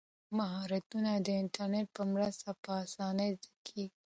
مهارتونه د انټرنیټ په مرسته په اسانۍ زده کیږي.